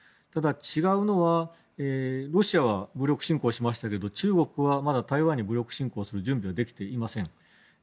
ただ違うのはロシアは武力侵攻しましたけど中国はまだ台湾に武力進攻する準備はできていません。